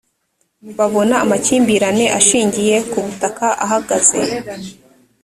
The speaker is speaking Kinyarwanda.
babona amakimbirane ashingiye ku butaka ahagaze